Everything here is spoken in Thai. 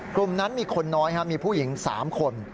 กลุ่มนั้นมีคนน้อยมีผู้หญิง๓คน